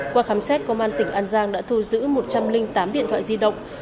qua khám xét công an tỉnh an giang đã thu giữ một trăm linh tám điện thoại di động